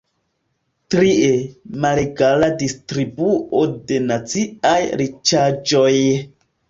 Trie: malegala distribuo de naciaj riĉaĵoj.